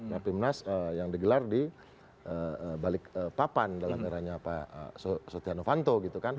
rapimnas yang digelar di balik papan dalam daerahnya pak sotiano vanto